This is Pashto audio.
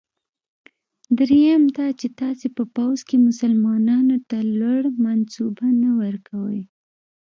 دریم دا چې تاسي په پوځ کې مسلمانانو ته لوړ منصبونه نه ورکوی.